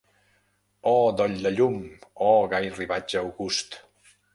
Oh doll de llum!, oh gai ribatge august!—.